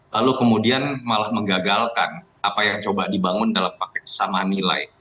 lalu kemudian malah menggagalkan apa yang coba dibangun dalam paket sesama nilai